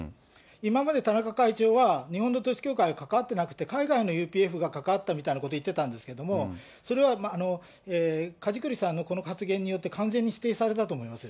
今まで田中会長は、日本の統一教会、関わってなくて、海外のＵＰＦが関わったみたいなことを言ってたんですけれども、それは梶栗さんのこの発言によって、完全に否定されたと思います。